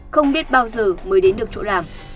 không biết bao giờ mới đến được chỗ làm